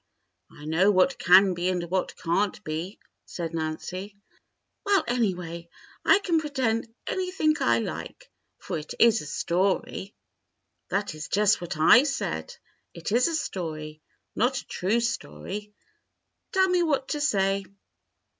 "I know what can be and what can't be," said Nancy. "Well, anyway, I can pretend anything I like, for it is a story." "That is just what I said. It is a story, not a true story. Tell me what to say."